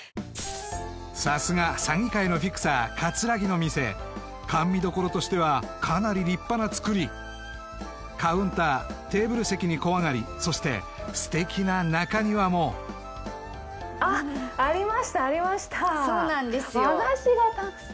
さすが詐欺界のフィクサー桂木の店甘味処としてはかなり立派な造りカウンターテーブル席に小上がりそして素敵な中庭もあっありましたありましたそうなんですよ